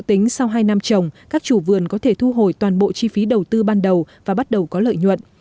tính sau hai năm trồng các chủ vườn có thể thu hồi toàn bộ chi phí đầu tư ban đầu và bắt đầu có lợi nhuận